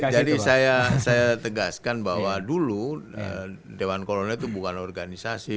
jadi saya tegaskan bahwa dulu dewan kolon itu bukan organisasi